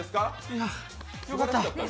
いや、よかった。